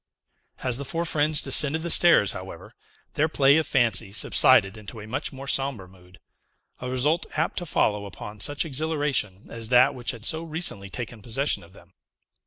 As the four friends descended the stairs, however, their play of fancy subsided into a much more sombre mood; a result apt to follow upon such exhilaration as that which had so recently taken possession of them.